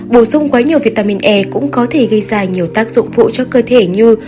bổ sung quá nhiều vitamin e cũng có thể gây ra nhiều tác dụng vụ cho cơ thể như